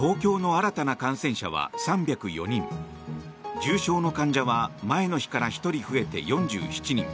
重症の患者は前の日から１人増えて４７人。